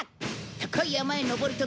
高い山へ登る時